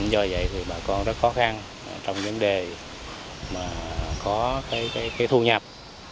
do vậy thì bà con rất khó khăn trong vấn đề mà có cái thu nhập